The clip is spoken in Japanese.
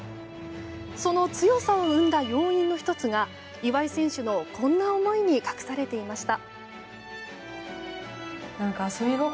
その強さを生んだ要因の１つが岩井選手のこんな思いに隠されていました。